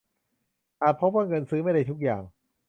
อาจพบว่าเงินซื้อไม่ได้ทุกอย่าง